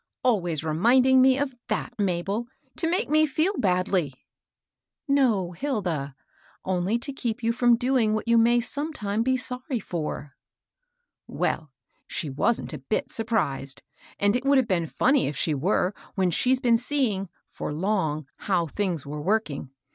Always reminding me of that^ Mabel, to make me feel badly 1 "" No, Hilda ; only to keep you from doing what you may sometime be sorry for." " Well, she wasn't a bit surprised ; and it would have been funny if she were, when she's been see ing, for long, how things were working.